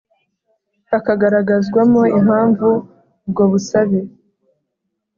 Hakagaragazwamo impamvu ubwo busabe